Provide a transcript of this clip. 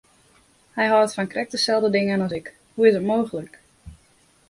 Hy hâldt fan krekt deselde dingen as ik, hoe is it mooglik!